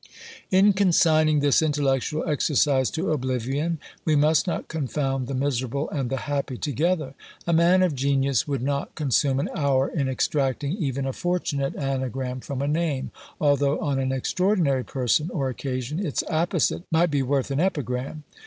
In consigning this intellectual exercise to oblivion, we must not confound the miserable and the happy together. A man of genius would not consume an hour in extracting even a fortunate anagram from a name, although on an extraordinary person or occasion its appositeness might be worth an epigram.